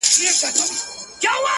څه وکړمه څنگه چاته ښه ووايم-